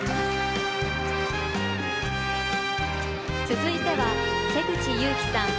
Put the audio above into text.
続いては瀬口侑希さん